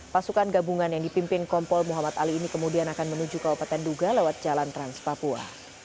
pasukan gabungan yang dipimpin kompol muhammad ali ini kemudian akan menuju kabupaten duga lewat jalan trans papua